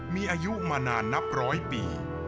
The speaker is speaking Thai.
มีอายุมานานนับร้อยปี